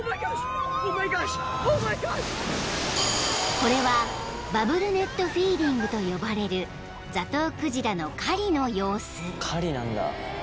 ［これはバブルネットフィーディングと呼ばれるザトウクジラの狩りの様子］